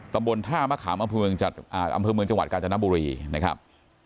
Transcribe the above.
ตำบลท่ามะขามอำเภอเมืองจังหวัดกาญจนบุรีนะครับ